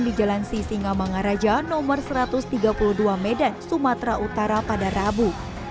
di jalan sisingamangaraja nomor satu ratus tiga puluh dua medan sumatera utara pada rabu